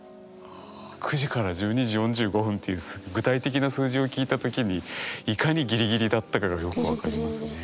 ９時から１２時４５分っていう具体的な数字を聞いたときにいかにギリギリだったかがよく分かりますね。